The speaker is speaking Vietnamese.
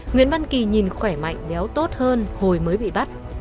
nguyễn văn kỳ nhìn khỏe mạnh béo tốt hơn hồi mới bị bắt